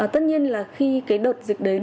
tất nhiên là khi cái đợt dịch đến